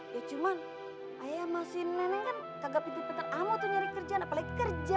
ya cuman ayah masih nenek kan kagak pindah ke tempat amu tuh nyari kerjaan apalagi kerja